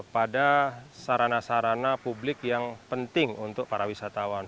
pada sarana sarana publik yang penting untuk para wisatawan